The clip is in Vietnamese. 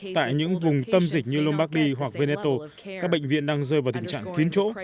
tại những vùng tâm dịch như lombardy hoặc veneto các bệnh viện đang rơi vào tình trạng kiến chỗ